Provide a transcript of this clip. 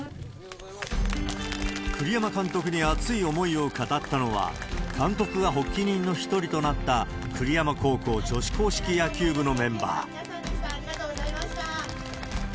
栗山監督に熱い思いを語ったのは、監督が発起人の一人となった、栗山高校女子硬式野球部のメンバー。